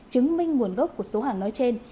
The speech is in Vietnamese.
chứng minh nguồn gốc của số hàng nói trên